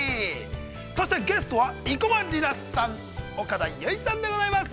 そしてゲストは生駒里奈さん、岡田結実ちゃんでございます。